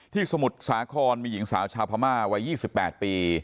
สมุทรสาครมีหญิงสาวชาวพม่าวัย๒๘ปี